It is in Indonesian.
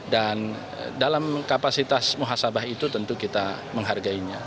dan dalam kapasitas muhasabah itu tentu kita menghargainya